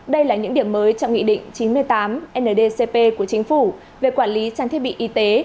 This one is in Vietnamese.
đây là những điểm mới trong nghị định chín mươi tám ndcp của chính phủ về quản lý trang thiết bị y tế